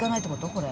これ。